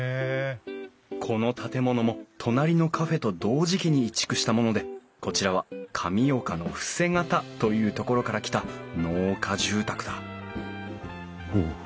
この建物も隣のカフェと同時期に移築したものでこちらは神岡の伏方という所から来た農家住宅だおおっ